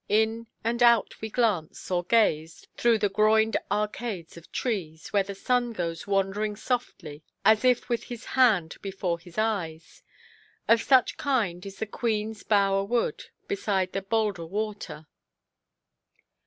In and out we glance, or gaze, through the groined arcade of trees, where the sun goes wandering softly, as if with his hand before his eyes. Of such kind is the Queenʼs Bower Wood, beside the Boldre Water.